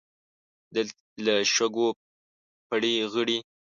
له شګو پړي غړي.